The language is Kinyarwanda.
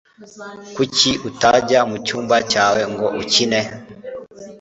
Kuki utajya mucyumba cyawe ngo ukine?